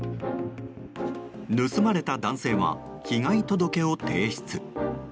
盗まれた男性は被害届を提出。